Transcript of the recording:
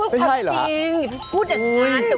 คุณก็พูดความจริงพูดอย่างนั้น